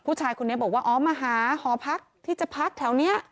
ผู้ชายคนนี้บอกว่าอ๋อมาหาหอพักที่จะพักแถวนี้